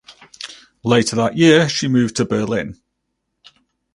Later that year she moved to Berlin.